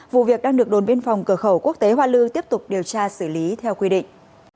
vụ việc đang được đồn biên phòng cửa khẩu quốc tế hoa lư tiếp tục điều tra xử lý theo quy định